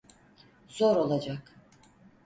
Zor olacak.